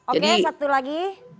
oke satu lagi